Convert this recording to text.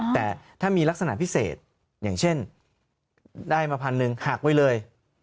แต่ถ้ามีลักษณะพิเศษอย่างเช่นได้มาพันหนึ่งหักไว้เลย